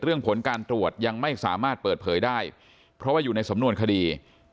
ผลการตรวจยังไม่สามารถเปิดเผยได้เพราะว่าอยู่ในสำนวนคดี